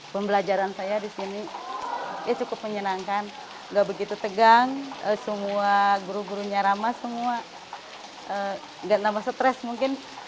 pembelajaran saya di sini cukup menyenangkan tidak begitu tegang semua guru gurunya ramah tidak terlalu stres mungkin